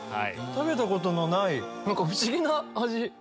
食べたことのない不思議な味。